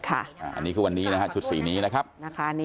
อันนี้คือวันนี้นะฮะชุดสีนี้นะครับ